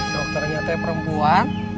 dokter nyatanya perempuan